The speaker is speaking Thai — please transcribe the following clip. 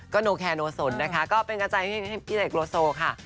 โนแคโนสนนะคะก็เป็นกำลังใจให้พี่เสกโลโซค่ะ